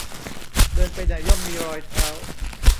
เดินไปไหนย่อมมีรอยเท้า